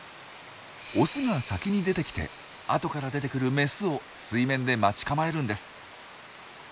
オスが先に出てきて後から出てくるメスを水面で待ち構えるんです。